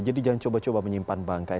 jadi jangan coba coba menyimpan bangkai